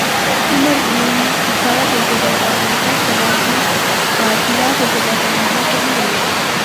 عمر بن الخطاب رضي الله عنه کلاب رضي الله عنه ته وویل: